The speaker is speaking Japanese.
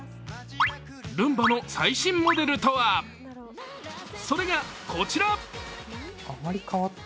ルンバの最新モデルとはそれが、こちら。